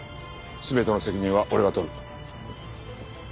全ての責任は俺が取る。